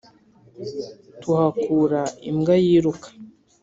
tuhakura imbwa yiruka